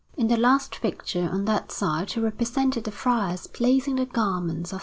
In the last picture on that side he represented the friars placing the garments of S.